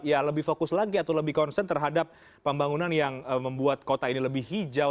ya lebih fokus lagi atau lebih concern terhadap pembangunan yang membuat kota ini lebih hijau